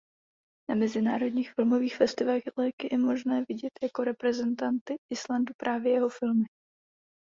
Na mezinárodních filmových festivalech je možné vidět jako reprezentanty Islandu právě jeho filmy.